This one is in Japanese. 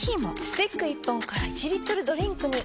スティック１本から１リットルドリンクに！